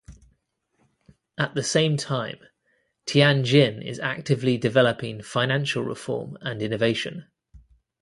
At the same time, Tianjin is actively developing financial reform and innovation.